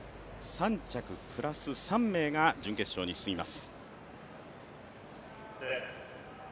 ３着プラス３名が準決勝に進みます。